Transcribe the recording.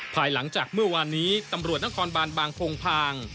ภายหลังจากเมื่อวานนี้ตำรวจนครบานบางโพงพาง